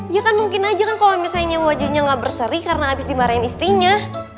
ya kan mungkin aja kan kalau misalnya wajahnya gak berserih karena habis dimarahin istrinya